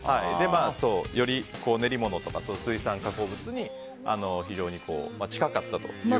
より練り物とか水産加工物に非常に近かったということで。